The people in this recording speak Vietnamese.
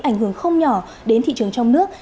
ảnh hưởng không nhỏ đến thị trường trong nước